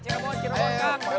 cirebon cirebon kang bubun